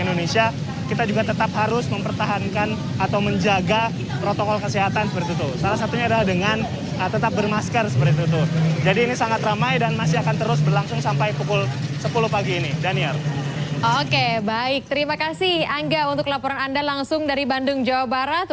oke baik terima kasih angga untuk laporan anda langsung dari bandung jawa barat